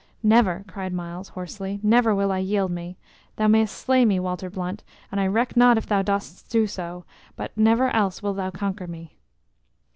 "Never!" cried Myles, hoarsely "never will I yield me! Thou mayst slay me, Walter Blunt, and I reck not if thou dost do so, but never else wilt thou conquer me."